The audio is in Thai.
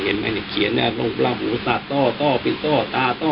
เห็นมั้ยเนี่ยเขียนให้ลงประหมูตัดต้อต้อปิดต้อตาต้อ